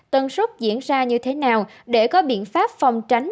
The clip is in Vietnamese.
tần sốt diễn ra như thế nào để có biện pháp phòng tránh